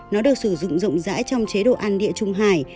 nó được sử dụng rộng rãi trong chế độ ăn địa trung hải